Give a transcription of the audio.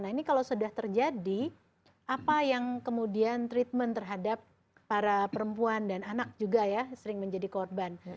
nah ini kalau sudah terjadi apa yang kemudian treatment terhadap para perempuan dan anak juga ya sering menjadi korban